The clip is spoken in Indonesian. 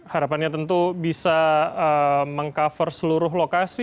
harapannya tentu bisa meng cover seluruh lokasi